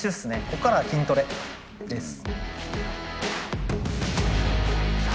こっからは筋トレです。